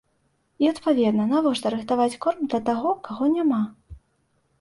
І, адпаведна, навошта рыхтаваць корм для таго, каго няма?